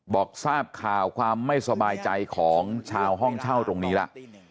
บอกทราบข่าวความไม่สบายใจของชาวห้องเช่าตรงนี้แล้ว